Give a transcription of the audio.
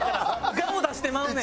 我を出してまうねん。